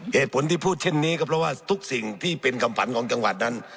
เหตุผลที่พูดเช่นนี้ก็เพราะว่าทุกสิ่งที่เป็นคำขวัญของจังหวัดนั้น